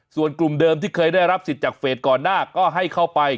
ส่วนกลุ่มเดิมที่เคยได้รับสิทธิ์จากเฟสก่อนหน้าก็ให้เข้าไป